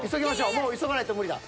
もう急がないと無理だ。